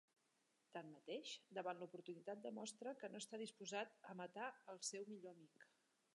Tanmateix, davant l'oportunitat demostra que no està disposat a matar el seu millor amic.